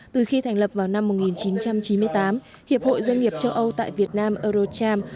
từ khi thành lập vào năm một nghìn chín trăm chín mươi tám hiệp hội doanh nghiệp châu âu tại việt nam eurocharm